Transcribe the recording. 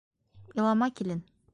Илама, килен.